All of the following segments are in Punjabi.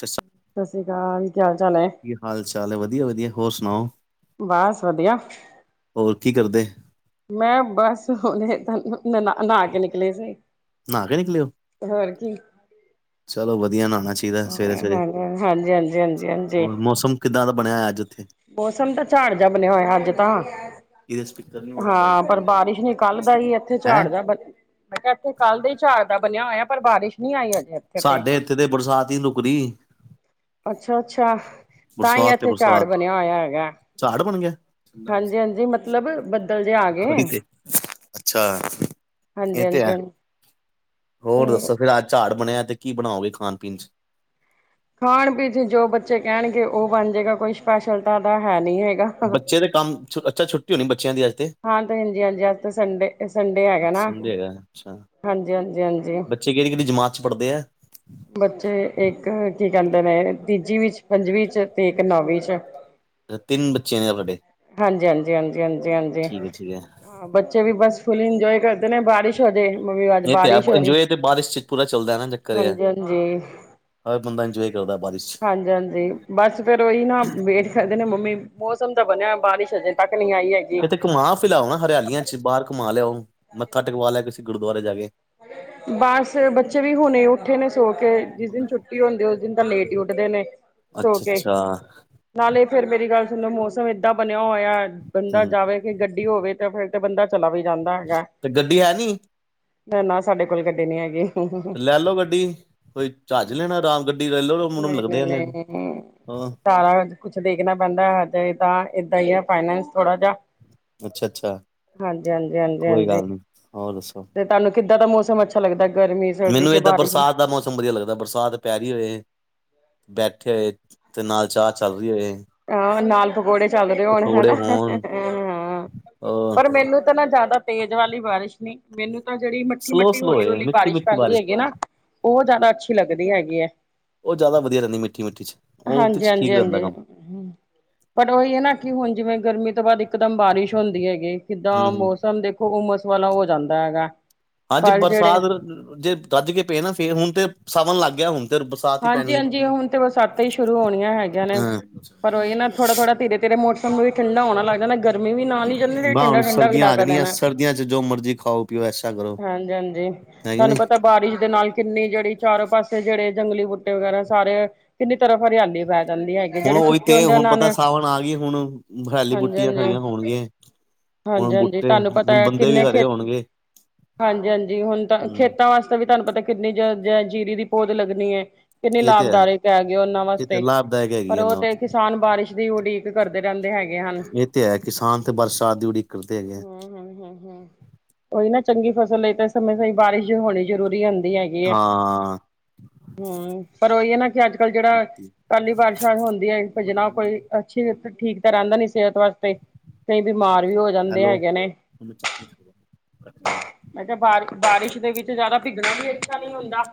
ਸਸ ਸਤਿ ਸ੍ਰੀ ਅਕਾਲ ਕੀ ਹਾਲ ਚਾਲ ਨੇ ਕੀ ਹਾਲ਼ ਚਾਲ਼ ਏ ਵਧੀਆ- ਵਧੀਆ ਹੋਰ ਸੁਣਾਓ। ਬਸ ਵਧੀਆ। ਹੋਰ ਕੀ ਕਰਦੇ। ਮੈਂ ਬਸ ਹੁਨੇ ਨ ਨਹਾ ਕੇ ਨਿਕਲੀ ਸੀ। ਨਾ ਕੇ ਨਿਕਲੇ ਹੋ। ਤੇ ਹੋਰ ਕੀ। ਚਲੋ ਵਧੀਆ ਨਾਣਾ ਚਾਹੀਦਾ ਦਾ ਸਵੇਰੇ- ਸਵੇਰੇ। ਹਾਂਜੀ ਹਾਂਜੀ ਹਾਂਜੀ ਹਾਂਜੀ ਹੋਰ ਮੌਸਮ ਕਿੱਦਾਂ ਦਾ ਬਣਿਆ ਹੋਆ, ਅੱਜ ਉੱਥੇ। ਮੌਸਮ ਤਾਂ ਝੜ ਜਿਆ ਬਣਿਆ ਹੋਇਆ ਅੱਜ ਤਾਂ ਇਹਦੇ ਸਪੀਕਰ ਨੇ। ਹਾਂ ਪਰ ਬਾਰਿਸ਼ ਨੇ ਕੱਲ ਦਾ ਹੀ ਇੱਥੇ ਹੈਂ ਝਾੜ ਜਿਹਾ ਮੈਂ ਕਿਹਾ ਇੱਥੇ ਕੱਲ੍ਹ ਦੇ ਹੀ ਝਾੜ ਦਾ ਬਣਿਆ ਹੋਇਆ ਪਰ ਬਾਰਿਸ਼ ਨੀ ਆਈ ਅਜੇੇ ਇਥੇ। ਸਾਡੇ ਇੱਥੇ ਤੇ ਬਰਸਾਤ ਹੀ ਨਹੀਂ ਰੁਕਦੀ। ਅੱਛਾ -ਅੱਛਾ, ਤਾਂ ਹੀ ਤੇ ਇਥੇ ਝਾੜ ਬਰਸਾਤ ਬਣਿਆ ਹੋਇਆ ਹੈਗਾ। ਝਾੜ ਬਣ ਗਿਆ। ਠੰਡਾ ਹਾਂਜੀ ਮੌਸਮ ਹਾਂਜੀ ਮਤਲਬ ਬੱਦਲ ਜੇ ਆ ਗਏ ਖਰੀ ਤੇ ਅੱਛਾ ਹਾਂਜੀ ਇਹ ਤੇ ਹਾਂਜੀ ਹੈ। ਹਾਂਜੀ ਹੋਰ ਤੇ ਦੱਸੋ, ਫਿਰ ਆਹ ਝਾੜ ਬਣਿਆ। ਤੇ ਕੀ ਬਣਾਓਗੇ ਖਾਣ ਪੀਣ ਚ। ਖਾਣ ਪੀਣ ਚ ਜੋ ਬੱਚੇ ਕਹਿਣਗੇ, ਉਹ ਬਣ ਜਾਏਗਾ ਕੋਈ ਸਪੈਸ਼ਲ ਤਾਂਦਾ ਹੈ ਨਹੀਂ ਹੈਗਾ। ਬੱਚੇ ਦੇ ਕੰਮ, ਅੱਛਾ ਛੁੱਟੀ ਹੋਣੀ ਬੱਚਿਆਂ ਦੀ ਅੱਜ। ਤੇ ਹਾਂ ਭੈਣ ਜੀ, ਅੱਜ ਅੱਜ ਤੇ ਸੰਡੇ ਸੰਡੇ ਹੈਗਾ ਨਾ। ਸੰਡੇ ਹੈਗਾ ਅੱਛਾ। ਹਾਂਜੀ- ਹਾਂਜੀ ਹਾਂਜੀ। ਬੱਚੇ ਕਿਹੜੀ ਕਿਹੜੀ ਜਮਾਤ ਚ ਪੜ੍ਹਦੇ ਆ ਬੱਚੇ ਇੱਕ ਕੀ ਕਹਿੰਦੇ ਨੇ ਤੀਜੀ ਵਿਚ ਚ ਪੰਜਵੀਂ ਚ ਤੇ ਇੱਕ ਨੌਵੀਂ ਚ ਤਿੰਨ ਬੱਚੇ ਨੇ ਵਡੇ ਹਾਂਜੀ ਹਾਂਜੀ ਹਾਂਜੀ ਹਾਂਜੀ ਹਾਂਜੀ ਠੀਕ ਹੈ ਹ ਬੱਚੇ ਵੀ ਬਸ ਫੁੱਲ ਇੰਜੋਏ ਕਰਦੇ ਨੇ ਬਾਰਿਸ਼। ਤੁਹਾਡੇ ਮੰਮੀ ਅੱਜ ਇਹ ਤੇ ਹੈ ਬਾਰਿਸ਼ ਹੋਗੀ। ਇੰਜੋਏ ਤੇ ਬਾਰਿਸ਼ ਚ ਪੂਰਾ ਚੱਲਦਾ ਨਾ ਚੱਕਰ ਇਹ ਹੈ ਹਾਂਜੀ -ਹਾਂਜੀ ਹਰ ਬੰਦਾ ਇੰਜੋਏ ਜਿਆਦਾ ਬਾਰਿਸ਼। ਚ ਹਾਂਜੀ-ਹਾਂਜੀ ਬਸ ਫੇਰ ਉਹੀ ਨਾ ਵੇਟ ਕਹਿੰਦੇ ਨੇ ਮੰਮੀ, ਮੌਸਮ ਤਾਂ ਬਨਿਆ ਬਾਰਿਸ਼ ਅਜੇ ਤੱਕ ਨੀ ਆਈ ਹੈਗੀ। ਕਿਤੇ ਘਮਾ ਫਿਲਾਓ ਨਾ ਹਰਿਆਲੀਆਂ ਚ ਬਾਰ ਘੁੰਮਾ ਲਿਆਓ, ਮੱਥਾ ਟੇਕਵਾ ਲਿਆ ਕਿਸੀਂ ਗੁਰਦੁਆਰੇ ਚ [inaudible] ਬਸ ਬੱਚੇ ਵੀ ਹੁਣੇ ਉੱਠੇ ਨੇ ਸੋ ਕੇ ਜਿਸ ਦਿਨ ਛੁੱਟੀ ਹੁੰਦੀ ਐ ਉਸ ਦਿਨ ਤਾਂ ਲੇਟ ਈ ਉੱਡਦੇ ਨੇ। ਸੋ ਕੇ ਅੱਛਾ-ਅੱਛਾ। ਨਾਲੇ ਫੇਰ ਮੇਰੀ ਗੱਲ ਸੁਣੋ ਮੌਸਮ ਏਦਾਂ ਬਣਿਆ ਹੋਇਆ ਬੰਦਾ ਹੂੰ ਜਾਵੇ। ਗੱਡੀ ਹੋਵੇ ਤਾਂ ਫੇਰ ਤੇ ਬੰਦਾ ਚਲਾ ਵੀ ਜਾਂਦਾ ਹੈਗਾ। ਗੱਡੀ ਹੈ ਨੀ। ਨਾ ਸਾਡੇ ਕੋਲ ਗੱਡੀ ਨੀ ਹੈਗੀ। ਤੇ ਲੈ ਲਓ ਗੱਡੀ ਕੋਈ ਜਹਾਜ਼ ਲੈਣਾ ਆਰਾਮ ਗੱਡੀ ਲੈ ਲਓ ਮੁੰਡੇ ਨੂੰ ਲੱਗਦੇ ਆ ਲੈਣ ਨਈ-ਨਈ-ਨਈ, ਹਾਂ ਸਾਰਾ ਕੁਛ, ਦੇਖਣਾ ਪੈਂਦਾ ਹਜੇ ਤਾਂ ਏਦਾਂ ਈ ਐ ਫਾਈਨੈਂਸ ਥੋੜਾ ਜਾ। ਅੱਛਾ ਅੱਛਾ ਕੋਈ ਹਾਂਜੀ-ਹਾਂਜੀ-ਹਾਂਜੀ-ਹਾਂਜੀ। ਗੱਲ ਨਹੀਂ ਹੋਰ ਦੱਸੋ। ਤੇ ਤੁਹਾਨੂੰ ਕਿਦਾਂ ਦਾ ਮੌਸਮ ਅੱਛਾ ਲੱਗਦਾ ਗਰਮੀ ਚ ਮੈਨੂੰ ਏਦ ਬਰਸਾ ਦਾ ਮੌਸਮ ਵਧੀਆ ਲੱਗਦਾ ਬਰਸਾਤ ਪੈ ਰੀ ਹੋਵੇ, ਬੈਠੇ ਹੋਏ ਤੇ ਨਾਲ ਚਾਹ ਚੱਲ ਰੀ ਹੋਏ। ਹਾਂ ਨਾਲ ਪਕੌੜੇ ਚੱਲ ਰਹੇ ਹੋਣ ਪਕੌੜੇ ਹਨਾ ਹੋਣ ਹਾਂ, ਪਰ ਮੈਨੂੰ ਤਾਂ ਨਾ ਜ਼ਿਆਦਾ ਤੇਜ਼ ਵਾਲੀ ਬਾਰਿਸ਼ ਨੀ, ਮੈਨੂੰ ਤਾਂ ਜਿਹੜੀ ਮੱਠੀ ਸਲੋ ਮੱਟੀ ਸਲੋ ਹੌਲੀ ਹੋਏ ਹੌਲੀ ਮਿੱਠੀ ਬਾਰਿਸ਼ ਮਿੱਠੀ ਚਲ ਰੀ ਹੈਗੀ ਨਾ। ਉਹ ਜ਼ਿਆਦਾ ਅੱਛੀ ਲੱਗਦੀ ਹੈਗੀ ਐ। ਉਹ ਜ਼ਿਆਦਾ ਵਧੀਆ ਰਹਿੰਦੀ, ਮਿੱਠੀ ਮਿੱਠੀ ਜੀ ਉਹਦੇ ਚ ਠੀਕ ਰਹਿੰਦਾ ਕੰਮ। ਹੂੰ ਪਰ ਉਹੀ ਐ ਨਾ ਕਿ ਹੁਣ ਜਿਵੇਂ ਗਰਮੀ ਤੋਂ ਬਾਦ ਇਕ ਦਮ ਬਾਰਿਸ਼ ਹੁੰਦੀ ਹੈਗੀ। ਕਿੱਦਾਂ ਹੂੰ ਹੂੰ ਮੌਸਮ ਦੇਖੋ ਉਮਸ ਵਾਲਾ ਹੋ ਜਾਂਦਾ ਹੈਗਾ। ਹਾਂਜੀ ਪਰ ਜਿਹੜੇ ਬਰਸਾਤ, ਜੇ ਰੱਜ ਕੇ ਪਏ ਨਾ ਫੇਰ ਹੁਣ ਤੇ ਸਾਵਨ ਲੱਗ ਗਿਆ ਹੁਣ ਤੇ ਬਰਸਾਤ ਹੀ ਹਾਂਜੀ ਪੈਣੀ ਹੈ ਹਾਂਜੀ ਹੁਣ ਤੇ ਬਰਸਾਤੀ ਈ ਸ਼ੁਰੂ ਹੋਣੀਆਂ ਹੈਗੀਆਂ ਨੇ, ਹਾਂ ਪਰ ਉਹੀ ਐ ਨਾ ਥੋੜਾ ਥੋੜਾ ਧੀਰੇ ਤੇਰੇ ਮੌਸਮ ਵੀ ਠੰਡਾ ਹੋਣਾ ਲੱਗਦਾ ਨਾ। ਗਰਮੀ ਵੀ ਨਾਲ ਈ ਜਾਂਦੇ ਤੇ ਬਸ ਹੁਣ ਠੰਡਾ ਠੰਡਾ ਵੀ ਸਰਦੀਆਂ ਆ ਇਲਾਕਾ ਜਾਣੀਆਂ ਰਹਿਣਾ, ਸਰਦੀਆਂ ਚ ਜੋ ਮਰਜ਼ੀ ਖਾਓ ਪੀਓ ਐਸਾ ਕਰੋ ਹਾਂਜੀ-ਹਾਂਜੀ। ਹੈਗੀ ਨੀ ਤੁਹਾਨੂੰ ਪਤਾ ਬਾਰਿਸ਼ ਦੇ ਨਾਲ ਕਿੰਨੀ ਜਿਹੜੀ ਚਾਰੋਂ ਪਾਸੇ ਜਿਹੜੇ ਜੰਗਲੀ ਬੂਟੇ ਵਗੈਰਾ ਸਾਰੇ, ਕਿੰਨੀ ਤਰ੍ਹਾਂ ਹਰਿਆਲੀ ਪੈ ਜਾਂਦੀ ਹੈਗੀ। ਹੁਣ ਜਿਹੜੇ ਉਹੀ ਸੁੱਕੇ ਤੇ ਹੁੰਦੇ ਹੁਣ ਉਹਨਾਂ ਪਤਾ ਨੇ ਸਾਵਣ ਆ ਗਈ ਹੁਣ ਹਰਿਆਲੀ ਬੂਟੀਆਂ ਖਰੀਆਂ ਹੋਣਗੀਆਂ। ਹੁਣ ਹਾਂਜੀ-ਹਾਂਜੀ, ਬੂਟੇ ਤੁਹਾਨੂੰ ਪਤਾ ਹੁਣ ਐ ਬੰਦੇ ਵੀ ਕਿਨੇ ਹਰੇ ਖੇਤ ਹੋਣਗੇ ਹਾਂਜੀ-ਹਾਂਜੀ ਹੁਣ ਤਾਂ ਹੂੰ ਖੇਤਾਂ ਵਾਸਤੇ ਵੀ ਤੁਹਾਨੂੰ ਪਤਾ ਕਿੰਨੀ ਜ ਜ ਜੀਰੀ ਦੀ ਪੋਦ ਲੱਗਣੀ ਐ। ਕਿੰਨੀ ਇਹ ਤੇ ਹੈ ਲਾਭਦਾਇਕ ਹੈਗੇ ਉਹਨਾਂ ਇਹ ਤੇ ਵਾਸਤੇ, ਲਾਭਦਾਇਕ ਹੈਗੀ ਪਰ ਆ ਉਹ ਨਾ ਤੇ ਕਿਸਾਨ ਬਾਰਿਸ਼ ਦੀ ਉਡੀਕ ਕਰਦੇ ਰਹਿੰਦੇ ਹੈਗੇ ਹਨ, ਇਹ ਤੇ ਹੈ ਕਿਸਾਨ ਤੇ ਬਰਸਾਤ ਦੀ ਉਡੀਕ ਕਰਦੇ ਹੈਗੇ ਆ ਹੂੰ-ਹੂੰ-ਹੂੰ-ਹੂੰ। ਉਹੀ ਨਾ ਚੰਗੀ ਫਸਲ ਲਈ ਤਾਂ ਸਮੇਂ ਸਿਰ ਬਾਰਿਸ਼ ਹੋਣੀ ਜ਼ਰੂਰੀ ਹੁੰਦੀ ਹੈ। ਹੈਗੀ ਹਾਂ। ਹੂੰ ਪਰ ਉਹੀ ਐ ਨਾ ਕਿ ਅੱਜ ਕੱਲ੍ਹ ਜਿਹੜਾ, ਕਾਲੀ ਬਾਰਿਸ਼ਾਂ ਹੁੰਦੀ ਐ ਪਜਨਾ ਕੋਈ। ਅੱਛਾ ਠੀਕ ਤਾਂ ਰਹਿੰਦਾ ਨੀ ਸਿਹਤ ਵਾਸਤੇ, ਕਈ ਬਿਮਾਰ ਵੀ ਹੋ ਜਾਂਦੇ ਹੈਲੋ। ਹੈਗੇ ਨੇ ਮੈਂ ਕਿਹਾ ਬਾਰ ਬਾਰਿਸ਼ ਦੇ ਵਿੱਚ ਜ਼ਿਆਦਾ ਭਿੱਗਣਾ ਵੀ ਅੱਛਾ ਨੀ ਹੁੰਦਾ।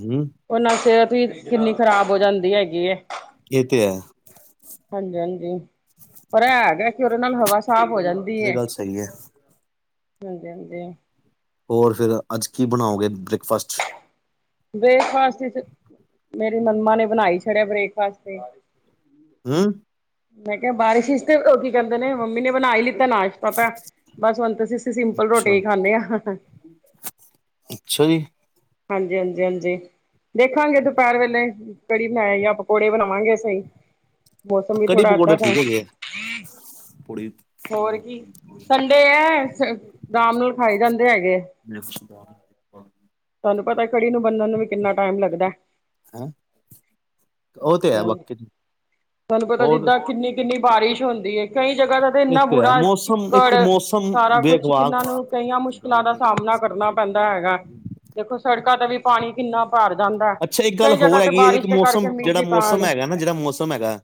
ਹੂੰ, ਉਹ ਨਾਲ ਸਿਹਤ ਵੀ ਕਿੰਨੀ ਖ਼ਰਾਬ ਹੋ ਜਾਂਦੀ ਹੈਗੀ ਐ। ਐ ਤੇ ਹੈ। ਹਾਂਜੀ-ਹਾਂਜੀ, ਪਰ ਐ ਹੈਗਾ ਕਿ ਉਹਦੇ ਨਾਲ ਹਵਾ ਸਾਫ਼ ਹੋ ਜਾਂਦੀ। ਐ ਹੈ ਗੱਲ ਸਹੀ ਐ। ਹਾਂਜੀ ਹਾਂਜੀ। ਹੋਰ ਫੇਰ ਅੱਜ ਕੀ ਬਣਾਓਗੇ ਬ੍ਰੇਕਫਾਸਟ 'ਚ? ਬ੍ਰੇਕਫਾਸਟ 'ਚ ਮੇਰੀ ਮੰਮਾ ਨੇ ਬਣਾ ਈ ਛਡਿਆ, ਬ੍ਰੇਕਫਾਸਟ 'ਤੇ। ਹੂੰ? ਮੈਂ ਕਿਹਾ, ਬਾਰਿਸ਼ ਇਸ ਤੇ ਉਹ ਕੀ ਕਹਿੰਦੇ ਨੇ? ਮੰਮੀ ਨੇ ਬਣਾ ਈ ਲਿੱਤਾ ਨਾਸ਼ ਪਤਾ ਐ, ਬਸ ਹੁਣ ਤੇ ਅਸੀਂ, ਸੀਂ ਸਿੰਪਲ ਰੋਟੀ ਅੱਛਾ ਹੀ ਖਾਂਨੇ ਹਾਂ। ਅੱਛਾ ਜੀ! ਹਾਂਜੀ, ਹਾਂਜੀ, ਹਾਂਜੀ! ਦੇਖਾਂਗੇ, ਦੁਪਹਿਰ ਵੇਲੇ ਕੜੀ ਬਣਾਈ ਆ, ਪਕੌੜੇ ਬਣਾਵਾਂਗੇ ਅਸੀਂ। ਮੌਸਮ ਵੀ ਕੜੀ ਥੋੜਾ ਅੱਧਾ ਪਕੌੜੇ ਦਾ ਵਾਂ ਠੀਕ ਹੈਗੇ ਆ। ਪੂੜੀ ਹੋਰ ਕੀ ਕੱਲ੍ਹ ਤੇ ਐ ਸਭ ਆਰਾਮ ਨਾਲ ਖਾਈ ਜਾਂਦੇ ਹੈਗੇ ਆ। [unintelligible] ਤੁਹਾਨੂੰ ਪਤਾ ਕੜੀ ਨੂੰ ਬੰਨਣ ਨੂੰ ਵੀ ਕਿੰਨਾ ਟਾਈਮ ਲੱਗਦਾ। ਹੈਂ? ਉਹ ਤੇ ਹੈ ਹੋਰ, ਬਾਕੀ ਤੁਹਾਨੂੰ ਪਤਾ, ਹੋਰ ਜਿੱਦਾਂ ਕਿੰਨੀ-ਕਿੰਨੀ ਬਾਰਿਸ਼ ਹੁੰਦੀ ਏ, ਕਈ ਜਗ੍ਹਾ ਦਾ ਤੇ ਇਹ ਇੰਨਾ ਬੁਰਾ ਹੈ ਹਾਲ, ਮੌਸਮ ਇੱਕ ਚਿੱਕੜ, ਮੌਸਮ ਸਾਰਾ ਕੁਛ ਬੇਗਵਾਰ ਕਿੰਨਾ ਨੂੰ ਕਈਆਂ ਮੁਸ਼ਕਿਲਾਂ ਗੱਲ ਦਾ ਕਰਨ। ਸਾਹਮਣਾ ਕਰਨਾ ਪੈਂਦਾ ਹੈਗਾ, ਦੇਖੋ, ਸੜਕਾਂ 'ਤੇ ਵੀ ਪਾਣੀ ਕਿੰਨਾ ਭਾਰ ਜਾਂਦਾ ਅੱਛਾ ਇੱਕ ਗੱਲ ਕਈ ਜਗ੍ਹਾ ਹੋਰ 'ਤੇ ਹੈਗੀ ਹੈ ਜੀ ਕਿ ਬਾਰਿਸ਼ ਦੇ ਕਰਕੇ ਮੌਸਮ ਮੀਂਹ ਜਿਹੜਾ ਵੀ ਮੌਸਮ ਪੈਣ ਹੈਗਾ ਨਾ, ਜਿਹੜਾ ਮੌਸਮ ਹੈਗਾ,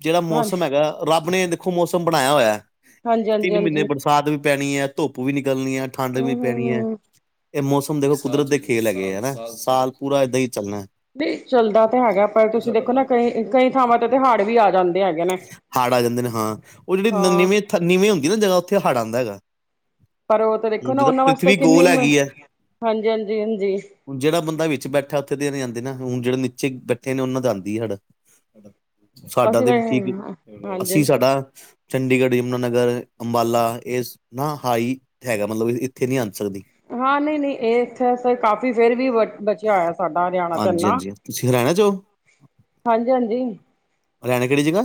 ਜਿਹੜਾ ਮੌਸਮ ਹਾਂਜੀ ਹੈਗਾ ਰੱਬ ਨੇ ਦੇਖੋ ਮੌਸਮ ਬਣਾਇਆ ਹੋਇਆ, ਹਾਂਜੀ ਹਾਂਜੀ ਤਿੰਨ ਮਹੀਨੇ ਹਾਂਜੀ ਬਰਸਾਤ ਵੀ ਪੈਣੀ ਹੈ। ਧੁੱਪ ਵੀ ਨਿਕਲਣੀ ਹੈ, ਠੰਡ ਵੀ ਹਮ ਨੀ ਹਮ ਪੈਣੀ ਹੈ। ਹਮ ਐ ਮੌਸਮ ਦੇਖੋ, ਕੁਦਰਤ ਦੇ ਖੇਲ ਹੈਗੇ ਐ, ਹਨਾ, ਸਾਲ ਪੂਰਾ ਏਦਾਂ ਹੀ ਚੱਲਣਾ! ਨਈ ਚੱਲਦਾ ਤਾਂ ਹੈਗਾ, ਪਰ ਤੁਸੀਂ ਦੇਖੋ ਨਾ ਕਈ, ਕਈ ਥਾਵਾਂ ਤੇ ਹਾੜ ਵੀ ਆ ਜਾਂਦੇ! ਹੈਗੇ ਨੇ ਹਾੜ ਆ ਜਾਂਦੇ ਨੇ, ਹਾਂ, ਓ ਜੇਹੜੀ ਹਾਂ ਨੀਵੀਂ ਥਾਂ, ਨੀਵੀਂ ਹੁੰਦੀ ਨਾ ਜਗ੍ਹਾ, ਉੱਥੇ ਹੜ ਆਂਦਾ ਹੈਗਾ। ਪਰ ਉ ਤੇ ਵੇਖੋ ਹੁਣ ਨਾ ਜਿੱਦਾਂ ਉਹਨਾਂ ਵਾਸਤੇ ਪ੍ਰਿਥਵੀ ਕਿੰਨੀ ਗੋਲ ਹੈਗੀ ਹੈ। ਹਾਂਜੀ, ਹਾਂਜੀ, ਹਾਂਜੀ! ਜਿਹੜਾ ਬੰਦਾ ਵਿੱਚ ਬੈਠਾ ਉਥੇ ਤੇ ਨੀ ਆਂਦੀ ਨਾ, ਹੁਣ ਜਿਹੜੇ ਨੀਚੇ ਬੈਠੇ ਨੇ, ਉਹਨਾ ਦੇ ਆਂਦੀ ਹੜ। ਸਾਡਾ ਅਸੀਂ ਤੇ ਵੀ ਤਾਂ ਠੀਕ ਐ, ਅਸੀਂ ਹਾਂਜੀ ਸਾਡਾ ਚੰਡੀਗੜ੍ਹ ਯਮੁਨਾਨਗਰ, ਅੰਬਾਲਾ, ਇਹ ਸ ਨਾ ਹਾਈ ਹੈਗਾ, ਮਤਲਬ ਇੱਥੇ ਨਹੀਂ ਆਨ ਸਕਦੀ! ਹਾਂ ਨਹੀਂ-ਨਹੀਂ ਇਹ ਇੱਥੇ ਸ--ਕਾਫੀ ਫੇਰ ਵੀ ਬਚਿਆ ਹੋਇਆ। ਸਾਡਾ ਹਰਿਆਣਾ ਤੇ ਹਾਂਜੀ, ਇਨਾ ਹਾਂਜੀ। ਤੁਸੀਂ ਹਰਿਆਣਾ 'ਚ ਹੋ? ਹਾਂਜੀ, ਹਾਂਜੀ। ਹਰਿਆਣੇ ਕਿਹੜੀ ਜਗ੍ਹਾ?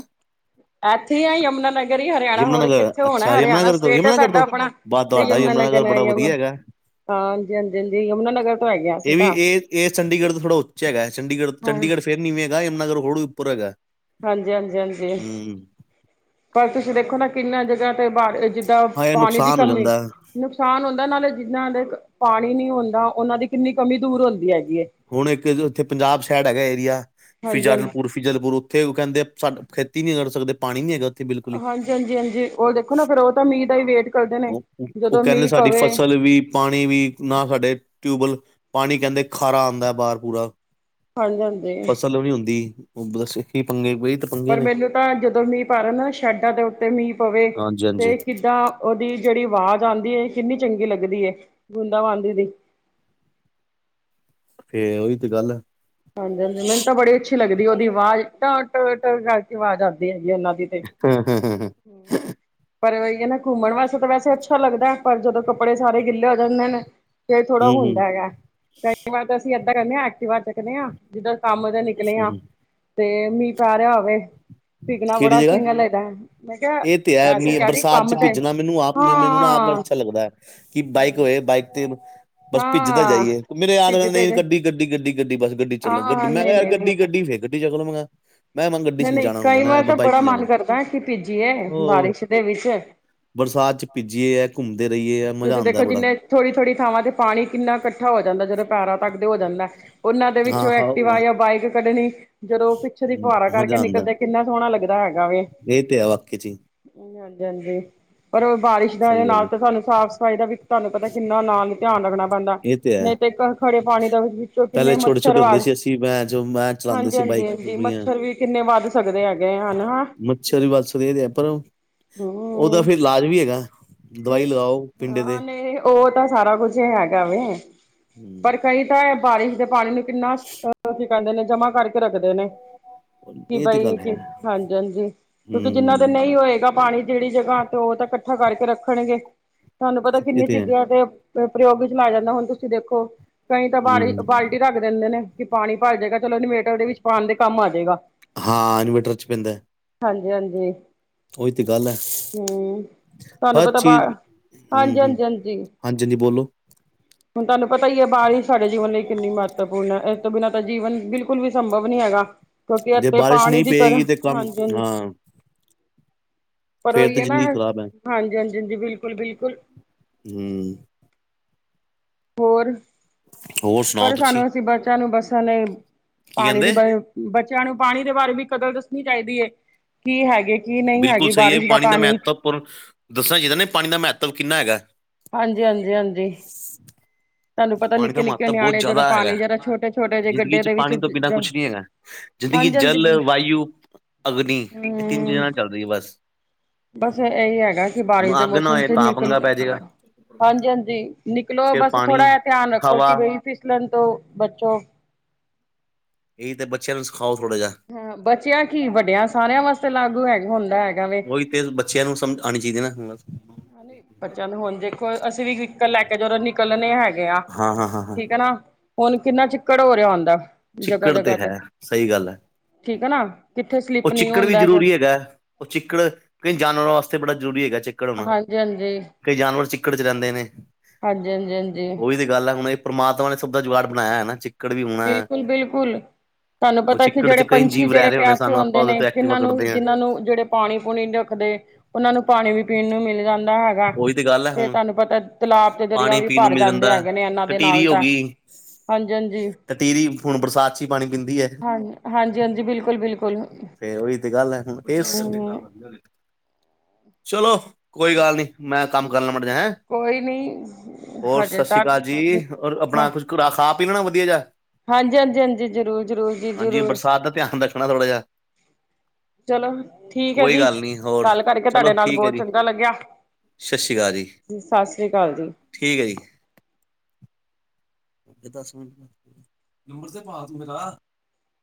ਏਥੇ ਆ ਯਮੁਨਾਨਗਰ! ਯਮੁਨਾਨਗਰ ਅੱਛਾ, ਯਮੁਨਾਨਗਰ ਤੋਂ, ਸਟੇਟ ਹੈ ਯਮੁਨਾਨਗਰ ਸਾਡਾ ਤੋਂ ਆਪਣਾ ਬ ਤੇ ਤੁਹਾਡਾ ਯਮੁਨਾ ਯਮੁਨਾਨਗਰ ਨਗਰ ਹੈ ਬੜਾ ਯਮੁਨਾ ਵਧੀਆ ਹੈਗਾ। ਹਾਂਜੀ ਹਾਂਜੀ ਹਾਂਜੀ ਯਮੁਨਾ ਨਗਰ ਤੋਂ ਹੈਗੇ ਏ ਅਸੀਂ ਵੀ ਤਾਂ ਏ, ਏ ਚੰਡੀਗੜ੍ਹ ਤੋਂ ਥੋੜਾ ਉੱਚਾ ਹੈਗਾ, ਚੰਡੀਗੜ੍ਹ, ਹਾਂ ਚੰਡੀਗੜ੍ਹ ਫੇਰ ਨਿਵੇ ਹੈਗਾ, ਯਮੁਨਾਨਗਰ ਹੋਰ ਉੱਪਰ ਹੈਗਾ। ਹਾਂਜੀ, ਹਾਂਜੀ, ਹਾਂਜੀ। ਹੂੰ ਪਰ ਤੁਸੀਂ ਦੇਖੋ ਨਾ ਕਿੰਨਾਂ ਜਗ੍ਹਾ ਤੇ ਬਾੜ ਅ ਜਿੱਦਾਂ ਹਾਂ ਇਹ ਪਾਣੀ ਦੀ ਨੁਕਸਾਨ ਹੋ ਕਮੀ ਜਾਂਦਾ ਨੁਕਸਾਨ ਹੁੰਦਾ, ਨਾਲੇ ਜਿੱਦਾਂ ਦੇ ਇਕ ਪਾਣੀ ਨੀ ਹੁੰਦਾ, ਉਹਨਾਂ ਦੀ ਕਿੰਨੀ ਕਮੀ ਦੂਰ ਹੁੰਦੀ ਹੈਗੀ ਏ! ਹੁਣ ਇਕ ਜੀ ਉੱਥੇ ਪੰਜਾਬ ਸਾਈਡ ਹੈਗਾ ਏਰੀਆ- ਹਾਂਜੀ ਹਾਂਜੀ ਫਿਜਲਪੁਰ! ਫਿਜਲਪੁਰ ਉੱਥੇ ਉਹ ਕਹਿੰਦੇ ਸਾਡ ਖੇਤੀ ਨੀ ਕਰ ਸਕਦੇ, ਪਾਣੀ ਨੀ ਹੈਗਾ। ਬਿਲਕੁਲ ਹੀ ਹਾਂਜੀ, ਹਾਂਜੀ, ਹਾਂਜੀ, ਓ ਦੇਖੋ ਨਾ ਫੇਰ ਉ ਤਾਂ ਮੀਂਹ ਦਾ ਹੀ ਵੇਟ ਕਰਦੇ ਨੇ ਓ ਜਦੋਂ ਕਹਿੰਦੇ ਮੀਂਹ ਸਾਡੀ ਪਵੇ ਫ਼ਸਲ ਵੀ ਪਾਣੀ ਵੀ ਨਾ ਸਾਡੇ ਟਿਊਬਵੈਲ, ਪਾਣੀ ਕਹਿੰਦੇ ਖਾਰਾ ਆਉਂਦਾ ਬਾਹਰ ਪੂਰਾ। ਹਾਂਜੀ ਹਾਂਜੀ ਫਸਲ ਵੀ ਹੁੰਦੀ, ਉਹ ਬਸ ਇਕ ਈ ਪੰਗੇ ਵੈ ਇਧਰ! ਪਰ ਮੈਨੂੰ ਤਾਂ ਜਦੋਂ ਮੀਂਹ ਪਾ ਰਹੇ ਨਾ ਸ਼ੈਡਾਂ ਦੇ ਉੱਤੇ ਮੀਂਹ ਪਵੇ ਹਾਂਜੀ ਹਾਂਜੀ ਤੇ ਕਿੱਦਾਂ। ਉਹਦੀ ਜਿਹੜੀ ਆਵਾਜ਼ ਆਉਂਦੀ ਏ ਕਿੰਨੀ ਚੰਗੀ ਲੱਗਦੀ ਏ ਬੂੰਦਾਂ ਬਾੰਦੀ ਦੀ। ਫੇਰ ਓਹੀ ਤੇ ਗੱਲ ਹੈ। ਹਾਂਜੀ- ਹਾਂਜੀ ਮੈਨੂੰ ਤਾਂ ਬੜੀ ਅੱਛੀ ਲੱਗਦੀ ਉਹਦੀ ਆਵਾਜ਼ ਟ- ਟ ਕਰਕੇ ਆਵਾਜ਼ ਆਉਂਦੀ ਹੈਗੀ ਉਹਨਾਂ ਦੀ। ਤੇ [unintelligible] [inaudible] ਪਰ ਉਹਯੋ ਨਾ ਘੁੰਮਣਮਣ ਵਾਸਤੇ ਵੈਸੇ ਅੱਛਾ ਲੱਗਦਾ ਪਰ ਜਦੋਂ ਕੱਪੜੇ ਸਾਰੇ ਗਿੱਲੇ ਹੋ ਜਾਂਦੇ ਨੇ। ਫਿਰ ਥੋੜ੍ਹਾ ਹੂੰ ਹੁੰਦਾ ਹੂੰ, ਹੈਗਾ ਕਈ ਵਾਰ ਅਸੀਂ ਏਦਾਂ ਕਰਦੇ ਹਾਂ ਐਕਟਿਵ ਚੱਕਦੇ ਹਾਂ ਜਿੱਦਾਂ ਕੰਮ। ਨਿਕਲੇ ਹੂੰ, ਆ ਹੂੰ। ਤੇ ਮੀਂਹ ਪੈ ਰਿਹਾ ਹੋਵੇ ਪਿਗਣਾ ਕਿਹੜੀ ਬੜਾ ਜਗ੍ਹਾ ਚੰਗਾ ਲੱਗਦਾ। ਮੈਂ ਕਿਹਾ ਇਹ ਤੇ ਵੈਸੇ ਹੈ ਕਹਿ ਰਹੀ ਬਰਸਾਤ ਕੰਮ ਚ ਤੇ ਭਿੱਜਣਾ ਮੈਨੂੰ ਆਪ ਮੈਨੂੰ ਨਾ ਆਪ ਬੜਾ ਹਾਂ ਅੱਛਾ ਲੱਗਦਾ ਹੈ। ਕਿ ਬਾਈਕ ਹੋਏ ਬਾਈਕ ਤੇ ਬਸ ਭਿੱਜਦਾ ਹਾਂ ਜਾਈਏ ਮੇਰੇ ਯਾਰ। ਭਿੱਜਦੇ ਜੇ ਗੱਡੀ ਗੱਡੀ ਗੱਡੀ ਬਸ ਗੱਡੀ ਚੱਲੋ ਗੱਡੀ ਹਾਂ ਮੈਂ ਨਹੀਂ ਯਾਰ ਨਹੀਂ ਨਹੀਂ ਗੱਡੀ ਗੱਡੀ ਫੇਰ ਗੱਡੀ। ਮੈਂ ਗੱਡੀ ਚ ਨਹੀਂ ਜਾਣਾ ਹੁਣ ਮੈਂ ਬਾਈਕ ਚ ਜਾਣਾ। ਪੀਜੀਏ ਉਹ ਬਾਰਿਸ਼ ਦੇ ਵਿੱਚ। ਬਰਸਾਤ ਚ ਪਿੱਜੀਏ। ਘੁੰਮਦੇ ਰਹੀਏ। ਐ ਮਜ਼ਾ ਤੁਸੀਂ ਆਂਦਾ ਦੇਖੋ ਬੜਾ ਕਿਨੇ ਥੋੜ੍ਹੀ ਥੋੜ੍ਹੀ ਥਾਵਾਂ ਤੇ ਪਾਣੀ ਕਿੰਨਾ ਇਕੱਠਾ ਹੋ ਜਾਂਦਾ ਜਦੋਂ ਪੈਰਾਾਂ ਤਕ ਹੋ ਜਾਂਦਾ। ਉਹਨਾਂ ਦੇ ਹਾਂ ਵਿੱਚੋਂ ਹਾਂ ਐਕਟਿਵਾ ਉਹ ਜਾਂ ਬਾਈਕ ਕੱਢਣੀ। ਜਦੋਂ ਪਿੱਛੇ ਦੀ ਫੁਆਾਰਾਂ ਕਰਕੇ ਮਜ਼ਾ ਆਂਦਾ ਨਿਕਲਦੇ ਕਿੰਨਾ ਸੋਹਣਾ ਲੱਗਦਾ ਹੈਗਾ ਵੇ। ਇਹ ਤੇ ਹੈ ਵਾਕਈ ਚ ਹੀ, ਹਾਂਜੀ-ਹਾਂਜੀ ਪਰ ਬਾਰਿਸ਼ ਦਾ ਦੇ ਸਹੀ ਗੱਲ ਨਾਲ ਹੈ ਤਾਂ ਸਾਨੂੰ। ਸਾਫ਼ ਸਫ਼ਾਈ ਦਾ ਵੀ ਤੁਹਾਨੂੰ ਪਤਾ ਕਿੰਨਾ ਨਾਲ ਧਿਆਨ ਰੱਖਣਾ। ਇਹ ਹੈ ਨਹੀਂ ਤੇ ਖੜੇ ਪਾਣੀ ਦਾ ਵਿੱਚੋਂ ਪਹਿਲੇ ਕਿੰਨੇ ਛੋਟੇ ਮੱਛਰ। ਛੋਟੇ ਹੁੰਦੇ ਸੀ ਅਸੀਂ ਮੈਂ ਜੋ ਮੈਂ ਚਲਾਉਂਦੇ ਹਾਂਜੀ - ਸੀ ਹਾਂਜੀ ਬਾਈਕ ਹਾਂਜੀ ਪੂਰੀਆਂ ਮੱਛਰ ਵੀ ਕਿੰਨੇ ਵੱਧ ਸਕਦੇ ਹੈਗੇ। ਹਨ ਹਾਂ ਮੱਛਰ ਵੀ ਬਸ ਵਧ ਦੇ ਹੈ ਪਰ ਉਹਦਾ ਹੂੰ ਫੇਰ ਇਲਾਜ ਵੀ ਹੈਗਾ। ਦਵਾਈ ਨਹੀਂ ਲਗਾਓ ਪਿੰਡੇ ਹਾਂ ਤੇ। ਨਹੀਂ ਉਹ ਤਾਂ ਸਾਰਾ ਕੁਝ ਹੈਗਾ ਵੇ ਹੂੰ ਪਰ ਕਈ ਤਾਂ ਬਾਰਿਸ਼ ਦੇ ਪਾਣੀ ਨੂੰ। ਕਿੰਨਾ ਅ ਕੀ ਕਹਿੰਦੇ ਨੇ ਜਮਾ ਕਰਕੇ ਰੱਖਦੇ ਨੇ। ਕਿ ਇਹ ਤੇ ਬਈ ਗੱਲ ਹੈ ਹਾਂਜੀ - ਹਾਂਜੀ ਕਿਉਂਕਿ ਜਿੰਨਾ ਦੇ ਹੂੰ ਨਹੀਂ ਹੋਏਗਾ ਪਾਣੀ। ਜਿਹੜੀ ਜਗ੍ਹਾ ਤੇ ਉਹ ਤਾਂ ਇਕੱਠਾ ਕਰਕੇ ਰੱਖਣਗੇ ਤੁਹਾਨੂੰ ਪਤਾ ਇਹ ਕਿੰਨੀ ਹੈ ਜਗਿਆ ਤੇ। [unintelligible] ਹੁਣ ਤੁਸੀਂ ਦੇਖੋ ਕਈ ਤਾਂ ਬਾਰਸ਼ ਹੂੰ ਬਾਲਟੀ ਰਖ ਦਿੰਦੇ ਨੇ ਕਿ ਪਾਣੀ ਭਰ ਜਾਏਗਾ ਚਲੋ ਇਨਵੇਟਰਦੇ ਵਿੱਚ ਪਾਉਣ ਦੇ ਕੰਮ ਆ ਜਾਏਗਾ। ਹਾਂ ਇਨਵੇਰਟਰ ਚ ਪੈਂਦਾ। ਹਾਂਜੀ - ਹਾਂਜੀ। ਓਹੀ ਤਾਂ ਗੱਲ ਹੈ। ਹੂੰ ਤੁਹਾਨੂੰ ਹਰ ਪਤਾ ਚੀਜ਼ ਬਾਹਰ ਹੂੰ ਹੂੰ ਹਾਂਜੀ-ਹਾਂਜੀ-ਹਾਂਜੀ। ਹਾਂਜੀ ਹਾਂਜੀ ਬੋਲੋ ਹੁਣ ਤੁਹਾਨੂੰ ਪਤਾ ਹੀ ਹੈ ਬਾਰਿਸ਼ ਸਾਡੇ ਜੀਵਨ ਲਈ ਕਿੰਨੀ ਮਹੱਤਵਪੂਰਨ ਹੈ। ਬਾਰਿਸ਼ ਤੋਂ ਬਿਨਾਂ ਜੀਵਨ ਬਿਲਕੁਲ ਵੀ ਸੰਭਵ ਨਹੀਂ ਹੈਗਾ। ਕਿਉਂਕਿ ਜੇ ਇਥੇ ਬਾਰਿਸ਼ ਪਾਣੀ ਨਹੀਂ ਦੀ ਕਦਰ ਪਏਗੀ ਤੇ ਹਾਂਜੀ - ਕੰਮ ਹਾਂਜੀ ਹਾਂ ਪਰ ਫੇਰ ਉਹੀ ਤੇ ਹੈ ਨਾ। ਜ਼ਿੰਦਗੀ ਖ਼ਰਾਬ ਹੈ ਹਾਂਜੀ-ਹਾਂਜੀ ਬਿਲਕੁਲ- ਬਿਲਕੁਲ। ਹਮ। ਹੋਰ ਹੋਰ ਸੁਣਾਓ ਪਰ ਤੁਸੀਂ ਸਾਨੂੰ ਅਸੀਂ ਬੱਚਿਆਂ ਨੂੰ ਬੱਸਣ ਲਈ ਕੀ ਪਾਣੀ ਵੀ। ਕਹਿੰਦੇ ਬੱਚਿਆਂ ਨੂੰ ਪਾਣੀ ਦੇ ਬਾਰੇ ਵੀ ਕਦਰ ਦੱਸਣੀ ਚਾਹੀਦੀ ਹੈ। ਕੀ ਹੈਗੇ ਕਿ ਨਹੀਂ ਹੈਗੇ ਬਾਰਿਸ਼ ਦਾ ਪਾਣੀ। ਦੱਸੋ ਨਾ ਪਾਣੀ ਦਾ ਮਹੱਤਵ ਕਿੰਨਾ ਹੈਗਾ। ਹਾਂਜੀ- ਹਾਂਜੀ-ਹਾਂਜੀ। ਤਾਨੂੰ ਪਤਾ ਪਾਣੀ ਦਾ ਨਿੱਕੇ - ਨਿੱਕੇ ਮਹੱਤਵ ਬਹੁਤ ਨਿਆਣੇ ਜਦੋਂ ਜ਼ਿਆਦਾ ਹੈਗਾ ਪਾਣੀ ਜਰਾ ਛੋਟੇ - ਛੋਟੇ ਜਿਹੇ ਗੱਡੇ ਦੇ ਵਿੱਚ ਜਿੰਦਗੀ ਹਾਂਜੀ ਜਲ, ਹਾਂਜੀ ਵਾਯੂ, ਅਗਨੀ ਏ ਤਿੰਨ ਚੀਜ਼ਾਂ ਹਮ ਨਾਲ ਚੱਲ ਜੀ ਬਸ, ਬਸ ਇਹੀ ਹੈਗਾ ਕਿ ਬਾਰਿਸ਼ ਨਾ ਦੇ ਅੱਗ ਨਾ ਮੌਸਮ ਹੋਏ ਚ ਤਾਂ ਪੰਗਾ ਨਿਕਲ ਪੈ ਜੇਗਾ। ਹਾਂਜੀ ਹਾਂਜੀ ਨਿਕਲੋ ਬਸ ਪਾਣੀ ਥੋੜਾ ਜਿਆ ਧਿਆਨ ਰੱਖੋ ਕਿ ਹਵਾ ਵਈ ਫੀਸਲਣ ਤੋਂ ਬਚੋ। ਏਈ ਤੇ ਬੱਚਿਆਂ ਨੂੰ ਸਖਾਓ ਥੋੜ੍ਹਾ ਜਿਆ। ਹਾਂ ਬਚਿਆ ਕੀ ਵੱਡਿਆਂ ਸਾਰਿਆਂ ਵਾਸਤੇ ਲਾਗੂ ਹੈ ਹੁੰਦਾ ਹੈਗਾ ਵੇ। ਓਈ ਤੇ ਬੱਚਿਆਂ ਨੂੰ ਸਮਝ ਆਣੀ ਚਾਈਦੀ ਨਾ ਬਸ। ਹਾਨੀ ਬੱਚਿਆਂ ਨੂੰ ਹੁਣ ਦੇਖੋ ਅਸੀਂ ਵੀ ਵੀਕਲ ਲੈਕ ਜਦੋਂ ਨਿਕਲਣੇ ਹੈਗੇ ਆ ਹਾਂ ਹਾਂ ਹਾਂ ਹਾਂ ਠੀਕ ਐ ਨਾ, ਹੁਣ ਕਿੰਨਾ ਚਿੱਕੜ ਹੋ ਰਿਆ ਹੁੰਦਾ। ਜਗ੍ਹਾ ਚਿੱਕੜ ਤੇ ਜਗ੍ਹਾ ਹੈ ਸਈ ਗੱਲ ਐ, ਠੀਕ ਹੈ ਨਾ ਕਿੱਥੇ ਓ ਸਲਿੱਪ ਨਹੀਂ ਚਿੱਕੜ ਵੀ ਹੁੰਦਾ ਜ਼ਰੂਰੀ ਹੈਗਾ। ਓ ਚਿੱਕੜ ਕਈ ਜਾਨਵਰਾਂ ਵਾਸਤੇ ਬੜਾ ਜ਼ਰੂਰੀ ਹੈਗਾ ਚਿੱ ਹਾਂਜੀ ਹਾਂਜੀ। ਕਈ ਜਾਨਵਰ ਚਿੱਕੜ 'ਚ ਰੈਂਦੇ ਨੇ। ਹਾਂਜੀ ਹਾਂਜੀ ਹਾਂਜੀ। ਉਹੀ ਤੇ ਗੱਲ ਐ ਹੁਣ ਇੱਕ ਪਰਮਾਤਮਾ ਨੇ ਸਭ ਦਾ ਜਗਾੜ ਬਣਾਇਆ ਹੈ ਨਾ ਚਿਕ ਬਿਲਕੁਲ ਬਿਲਕੁਲ। ਤਾਨੂੰ ਉਹ ਪਤਾ ਕੀ ਚਿੱਕੜ 'ਚ ਜੜੇ ਕਈ ਪੰਛੀ ਜੀਵ ਰਹਿ ਜੜੇ ਰਹੇ ਹੋਣੇ ਪਿਆਸੇ ਸਾਨੂੰ ਆਪਾਂ ਹੁੰਦੇ ਉਹਦੇ ਨੇ, ਤੇ ਐਕਟਿਵਾ ਜਿੰਨਾਂ ਨੂੰ ਕੱਢਦੇ ਹਾਂ ਜਿੰਨਾਂ ਨੂੰ ਜੜੇ ਪਾਣੀ ਪੂਣੀ ਰੱਖਦੇ, ਓਨਾਂ ਨੂੰ ਪਾਣੀ ਵੀ ਪੀਣ ਨੂੰ ਮਿਲ ਜਾਂਦਾ ਹੈ ਗਾ। ਉਹੀ ਗੱਲ ਹੈ ਤੇ ਹੁਣ ਤਾਨੂੰ ਪਤਾ ਤਲਾਬ ਤੇ ਦਰਿਆ ਪਾਣੀ ਵੀ ਪੀਣ ਨੂੰ ਭਰ ਮਿਲ ਜਾਂਦੇ ਜਾਂਦਾ ਹੈ। ਹੈਗੇ ਨੇ ਏਨਾਂ ਦੇ ਟਟੀਰੀ ਨਾਲ ਤਾਂ। ਹਾਂਜੀ ਹਾਂਜੀ। ਟੀਰੀ ਹੁਣ ਬਰਸਾਤ 'ਚ ਹੀ ਪਾਣੀ ਪੀਂਦੀ ਐ। ਹਾਂ ਹਾਂਜੀ-ਹਾਂਜੀ ਬਿਲਕੁਲ-ਬਿਲਕੁਲ ਫੇਰ ਓਹੀ ਤੇ ਗੱਲ ਐ ਹੁਣ ਏਸ ਹੂੰ ਚਲੋ ਕੋਈ ਗੱਲ ਨੀ ਮੈਂ ਕੰਮ ਕਰ ਲਾ ਮੜ ਜਿਆ ਹੈਂ। ਕੋਈ ਨੀ ਹੋਰ ਹਜੇ ਸਾਸਰੀ ਤਾਂ ਕਾਲ ਜੀ ਹੋਰ ਆਪਣਾ ਕੁਛ ਰ ਖਾ ਪੀ ਲੈਣਾ ਵਧੀਆ ਜਿਆ। ਹਾਂਜੀ ਹਾਂਜੀ ਹਾਂਜੀ -ਜ਼ਰੂਰ ਜ਼ਰੂਰ ਜੀ ਹਾਂਜੀ ਜ਼ਰੂਰ। ਬਰਸਾਤ ਦਾ ਧਿਆਨ ਰੱਖਣਾ ਥੋੜਾ ਜਿਹਾ ਚਲੋ ਠੀਕ ਏ ਕੋਈ ਜੀ, ਗੱਲ ਨੀ ਹੋਰ ਗੱਲ ਕਰਕੇ ਤਾਡੇ ਨਾਲ ਬੋਤ ਚੰਗਾ ਲੱਗਿਆ। ਸਸੀ ਕਾਲ ਜੀ ਸਤਿ ਸ੍ਰੀ ਅਕਾਲ ਜੀ ਠੀਕ ਏ ਜੀ। ਹੋ ਗਏ ਦਸ ਮਿੰਟ, ਨੰਬਰ ਤੇ ਪਾ ਤੂੰ ਮੇਰਾ।